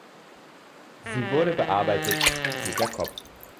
Sie wurde bearbeitet von Peter Kopp.